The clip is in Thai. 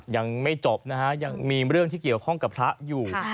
ยังไม่จบนะฮะยังมีเรื่องที่เกี่ยวข้องกับพระอยู่